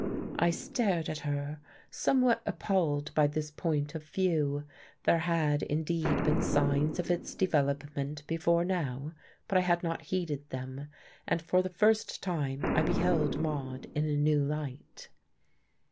I stared at her, somewhat appalled by this point of view. There had, indeed, been signs of its development before now, but I had not heeded them. And for the first time I beheld Maude in a new light.